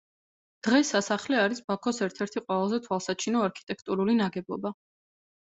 დღეს სასახლე არის ბაქოს ერთ-ერთი ყველაზე თვალსაჩინო არქიტექტურული ნაგებობა.